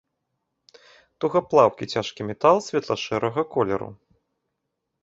Тугаплаўкі цяжкі метал светла-шэрага колеру.